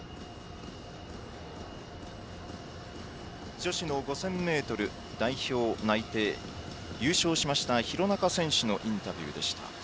女子の５０００ｍ代表内定優勝しました廣中選手のインタビューでした。